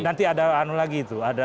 nanti ada anu lagi itu